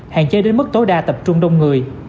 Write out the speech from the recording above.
hạn chế đến mức tối đa tập trung đông người